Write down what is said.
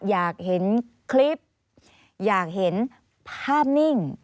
อยากเห็นคลิปอยากเห็นภาพนิ่ง